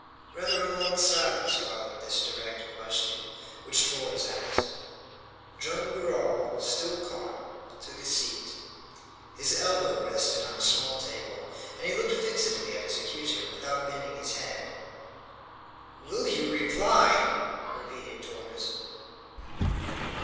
Rather a long silence followed this direct question which Torres asked. Joam Garral, still calm, took a seat. His elbow rested on a small table, and he looked fixedly at his accuser without bending his head. "Will you reply?" repeated Torres.